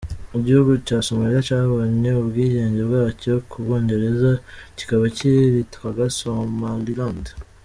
Igihugu cya Somalia cyabonye ubwigenge bwacyo ku Bwongereza, kikaba cyaritwaga Somaliland.